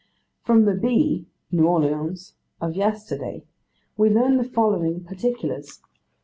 From the Bee (New Orleans) of yesterday, we learn the following particulars.